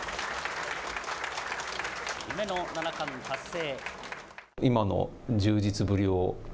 夢の七冠達成。